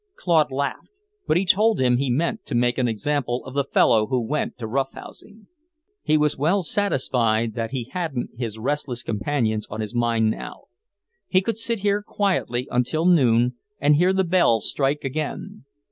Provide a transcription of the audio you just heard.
Claude laughed, but he told him he meant to make an example of the fellow who went to rough housing. He was well satisfied that he hadn't his restless companions on his mind now. He could sit here quietly until noon, and hear the bell strike again.